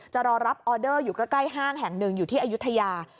จะรอรับออเดอร์อยู่ใกล้ห้างแห่งหนึ่งอยู่ที่อายุทยา